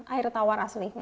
air tawar asli